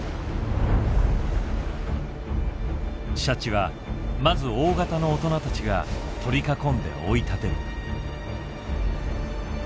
シャチはまず大型の大人たちが取り囲んで追い立てる。